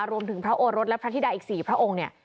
รวมถึงพระโอรสและพระธิดาอีก๔พระองค์เนี่ย